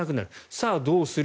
さあ、どうする。